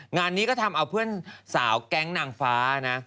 งานนี้ก็ทำเอาเพื่อนสาวแก๊งนางฟ้านะ